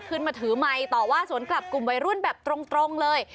ขึ้นมาถือไมค์ต่อว่าสวนกลับกลุ่มวัยรุ่นแบบตรงเลย